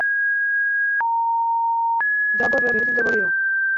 যা করবে ভেবেচিন্তে করিও।